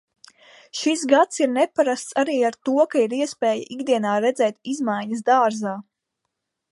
Šis gads ir neparasts arī ar to, ka ir iespēja ikdienā redzēt izmaiņas dārzā.